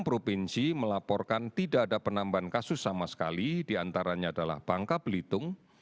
enam provinsi melaporkan tidak ada penambahan kasus sama sekali diantaranya adalah bangka belitung